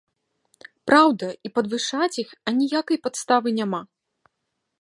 Праўда, і падвышаць іх аніякай падставы няма.